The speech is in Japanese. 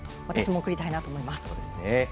私も送りたいと思います。